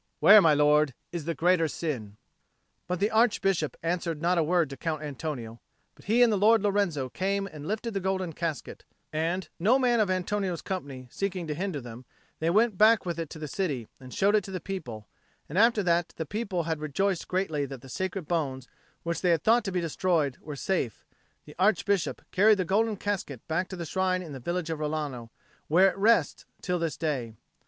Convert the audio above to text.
Where, my lord, is the greater sin?" But the Archbishop answered not a word to Count Antonio; but he and the Lord Lorenzo came and lifted the golden casket, and, no man of Antonio's company seeking to hinder them, they went back with it to the city and showed it to the people; and after that the people had rejoiced greatly that the sacred bones, which they had thought to be destroyed, were safe, the Archbishop carried the golden casket back to the shrine in the village of Rilano, where it rests till this day.